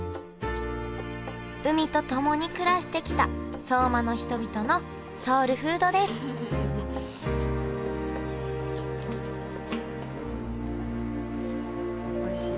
海と共に暮らしてきた相馬の人々のソウルフードですおいしい。